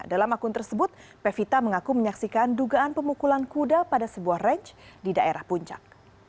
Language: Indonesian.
dalam akun tersebut pevita mengaku menyaksikan dugaan pemukulan kuda pada sebuah ranch di daerah puncak